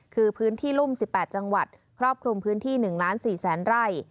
คือพื้นที่รุ่ม๑๘จังหวัดครอบคลุมพื้นที่๑ล้าน๔แสนไร่